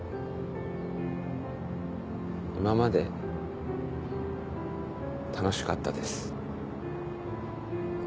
今まで楽しかったです。